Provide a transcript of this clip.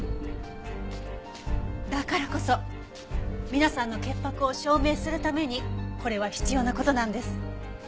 だからこそ皆さんの潔白を証明するためにこれは必要な事なんです。